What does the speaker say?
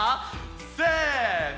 せの！